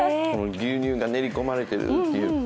牛乳が練り込まれているという。